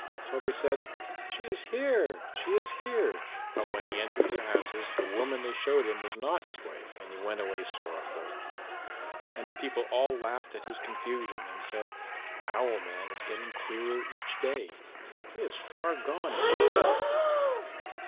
So they said, "She is here, she is here." But when he entered their houses, the woman they showed him was not his wife, and he went away sorrowful. And the people all laughed at his confusion, and said, "Owl man is getting queerer each day. He is far gone in his head."